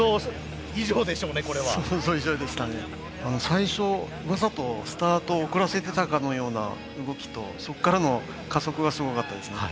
最初わざとスタートを遅らせてたかのような動きとそっからの加速がすごかったですね。